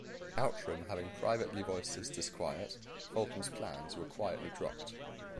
Outram having privately voiced his disquiet, Fulton's plans were quietly dropped.